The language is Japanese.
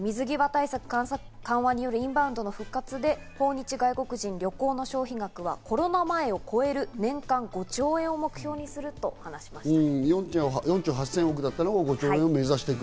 水際対策緩和によるインバウンドの復活で訪日外国人旅行消費額はコロナ前を超える年間５兆円を目標にすると話しました。